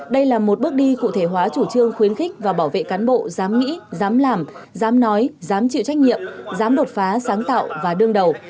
đây là một bước đi cụ thể hóa chủ trương khuyến khích và bảo vệ cán bộ dám nghĩ dám làm dám nói dám chịu trách nhiệm dám đột phá sáng tạo và đương đầu